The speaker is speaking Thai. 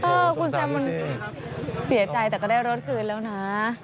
เออคุณแซมมันเสียใจแต่ก็ได้รถคืนแล้วนะ